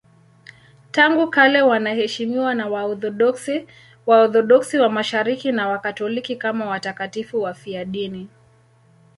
Tangu kale wanaheshimiwa na Waorthodoksi, Waorthodoksi wa Mashariki na Wakatoliki kama watakatifu wafiadini.